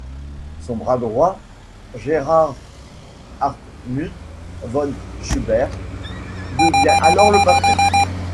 Son bras droit, Gerhard Hartmut von Schubert devient alors le patron.